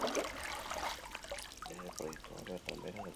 Lege proiektua bertan behera gelditu da